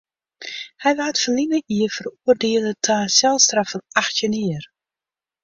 Hy waard ferline jier feroardiele ta in selstraf fan achttjin jier.